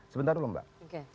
sebentar dulu mbak